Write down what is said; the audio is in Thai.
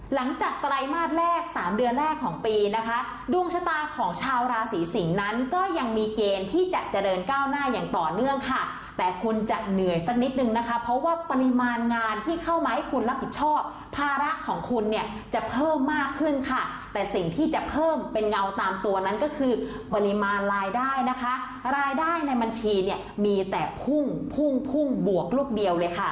หลังจากไตรมาสแรกสามเดือนแรกของปีนะคะดวงชะตาของชาวราศรีสิงค่ะก็ยังมีเกณฑ์ที่จะเจริญก้าวหน้าอย่างต่อเนื่องค่ะแต่คุณจะเหนื่อยสักนิดนึงนะคะเพราะว่าปริมาณงานที่เข้ามาให้คุณรับผิดชอบภาระของคุณเนี่ยจะเพิ่มมากขึ้นค่ะแต่สิ่งที่จะเพิ่มเป็นเงาตามตัวนั้นก็คือปริมาณรายได้นะคะรายได้ใน